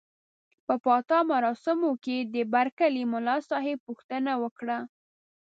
په پاتا مراسمو کې د برکلي ملاصاحب پوښتنه وکړه.